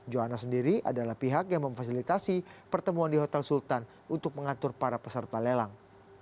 johannes sendiri adalah pihak yang memfasilitasi pertemuan di hotel sultan untuk mengatur para peserta lelang